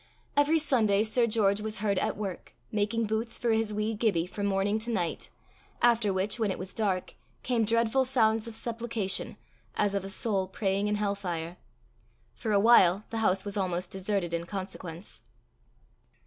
Every Sunday Sir George was heard at work, making boots for his wee Gibbie from morning to night; after which, when it was dark, came dreadful sounds of supplication, as of a soul praying in hell fire. For a while the house was almost deserted in consequence.